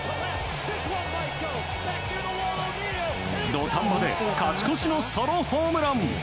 土壇場で勝ち越しのソロホームラン。